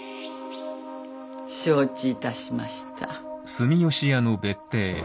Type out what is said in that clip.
承知いたしました。